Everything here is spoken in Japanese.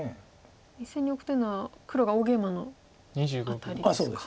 ２線にオクというのは黒が大ゲイマの辺りですか。